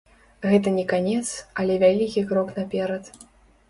Гэта не канец, але вялікі крок наперад.